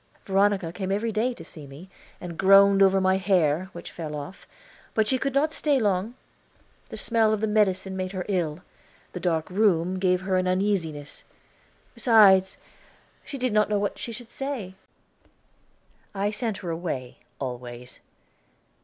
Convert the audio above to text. Veronica came every day to see me, and groaned over my hair, which fell off, but she could not stay long, the smell of medicine made her ill, the dark room gave her an uneasiness; besides, she did not know what she should say. I sent her away always.